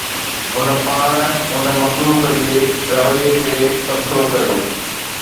هن پاڻ هن مخلوق جي رويي تي تبصرو ڪيو